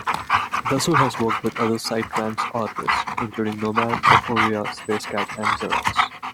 Dassulle has worked with other psytrance artists, including Nomad, Oforia, Space Cat, and Xerox.